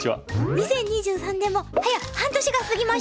２０２３年も早半年が過ぎました。